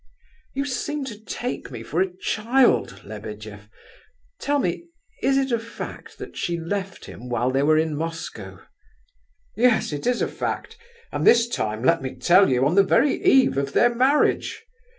"You seem to take me for a child, Lebedeff. Tell me, is it a fact that she left him while they were in Moscow?" "Yes, it is a fact, and this time, let me tell you, on the very eve of their marriage!